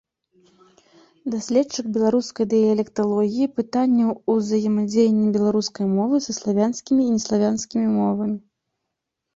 Даследчык беларускай дыялекталогіі, пытанняў узаемадзеяння беларускай мовы са славянскімі і неславянскімі мовамі.